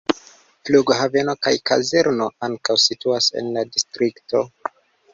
Flughaveno kaj kazerno ankaŭ situas en la distrikto.